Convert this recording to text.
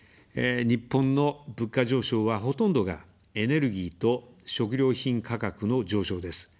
日本の物価上昇は、ほとんどがエネルギーと食料品価格の上昇です。